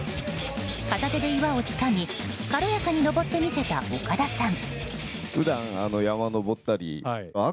片手で岩をつかみ軽やかに上ってみせた岡田さん。